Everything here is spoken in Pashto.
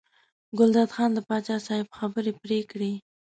ګلداد خان د پاچا صاحب خبرې پرې کړې.